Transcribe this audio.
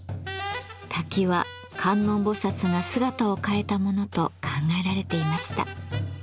滝は観音菩薩が姿を変えたものと考えられていました。